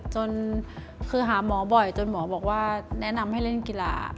จนคือหาหมอบ่อยจนหมอบอกว่าแนะนำให้เล่นกีฬา